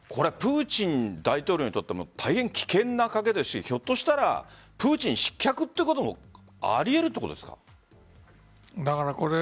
プーチン大統領にとっても大変危険な賭けですしひょっとしたらプーチン失脚ということもあり得るということですか？